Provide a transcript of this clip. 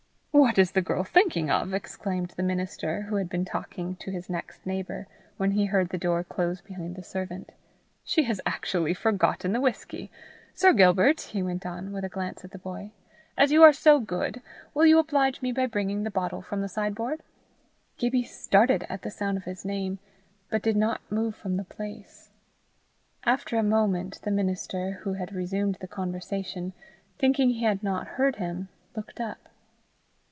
"What is the girl thinking of!" exclaimed the minister, who had been talking to his next neighbour, when he heard the door close behind the servant. "She has actually forgotten the whisky! Sir Gilbert," he went on, with a glance at the boy, "as you are so good, will you oblige me by bringing the bottle from the sideboard?" Gibbie started at the sound of his name, but did not move from the place. After a moment, the minister, who had resumed the conversation, thinking he had not heard him, looked up.